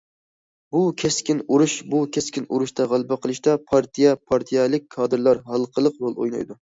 بۇ، كەسكىن ئۇرۇش، بۇ كەسكىن ئۇرۇشتا غەلىبە قىلىشتا پارتىيە، پارتىيەلىك كادىرلار ھالقىلىق رول ئوينايدۇ.